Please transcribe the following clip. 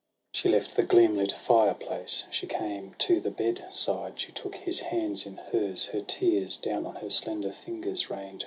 She left the gleam lit fire place, She came to the bed side ; She took his hands in hers — her tears Down on her slender fingers rain'd.